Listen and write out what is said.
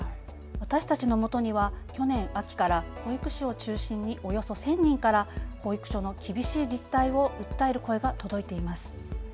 私たちのもとには去年秋から保育士を中心におよそ１０００人から保育所の厳しい実態を訴える声が届いています。